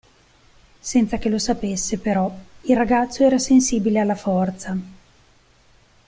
Senza che lo sapesse, però, il ragazzo era sensibile alla Forza.